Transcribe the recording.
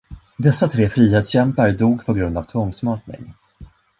Dessa tre frihetskämpar dog på grund av tvångsmatning.